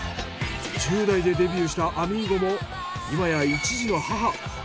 １０代でデビューしたアミーゴも今や１児の母。